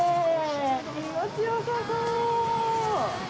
気持ちよさそ！